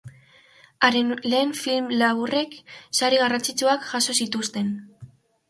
Haren lehen film laburrek sari garrantzitsuak jaso zituzten.